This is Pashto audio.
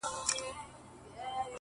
شاعره خداى دي زما ملگرى كه _